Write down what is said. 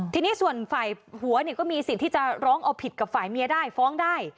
ทีนี้ส่วนฝ่ายผัวเนี่ยก็มีสิทธิ์ที่จะร้องเอาผิดกับฝ่ายเมียได้ฟ้องได้